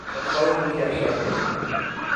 Só fala do que acha ruim?